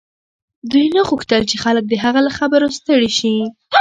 دوی نه غوښتل چې خلک د هغه له خبرو ستړي شي